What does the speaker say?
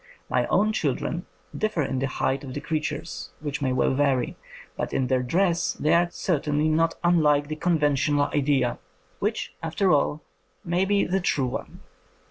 My own children differ in the height of the creatures, which may well vary, but in their dress they are certainly not unlike the conventional idea, which, after all, may also be the true one.